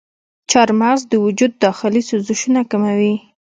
چارمغز د وجود داخلي سوزشونه کموي.